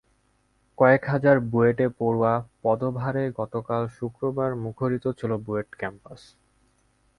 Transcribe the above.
কয়েক হাজার বুয়েটে পড়ুয়ার পদভারে গতকাল শুক্রবার মুখরিত ছিল বুয়েট ক্যাম্পাস।